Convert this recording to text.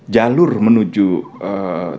jalur menunjukkan kepadanya itu adalah